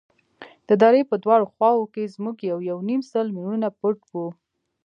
د درې په دواړو خواوو کښې زموږ يو يونيم سل مېړونه پټ وو.